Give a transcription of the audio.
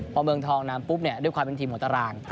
พอเมืองทองนำปุ๊บเนี่ยด้วยความเป็นทีมหัวตาราง